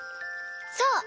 そう！